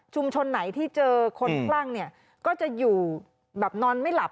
ชุมชนไหนที่เจอคนคลั่งก็จะอยู่แบบนอนไม่หลับ